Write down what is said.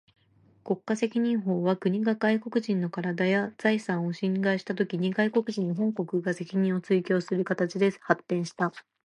国家責任法は、国が外国人の身体や財産を侵害したときに、外国人の本国が責任を追求する形で発展した。